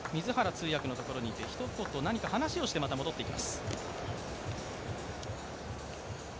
通訳のところに行って、一言、何か話をしてまた戻ってきます。